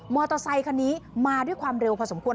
อเตอร์ไซคันนี้มาด้วยความเร็วพอสมควร